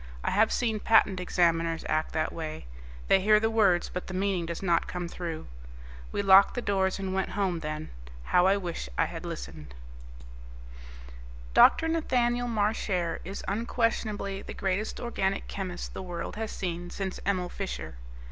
I have seen Patent Examiners act that way they hear the words, but the meaning does not come through. We locked the doors and went home, then. How I wish I had listened! Dr. Nathaniel Marchare is unquestionably the greatest organic chemist the world has seen since Emil Fischer.